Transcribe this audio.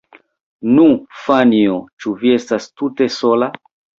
Nu, Fanjo, ĉu vi estas tute sola?